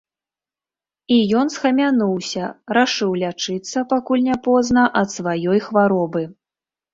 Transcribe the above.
І ён схамянуўся, рашыў лячыцца, пакуль не позна, ад сваёй хваробы.